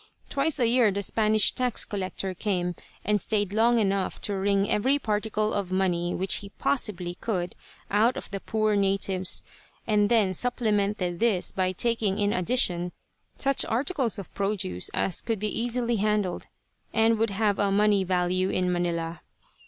Twice a year the Spanish tax collector came and stayed long enough to wring every particle of money which he possibly could out of the poor natives, and then supplemented this by taking in addition such articles of produce as could be easily handled, and would have a money value in Manila.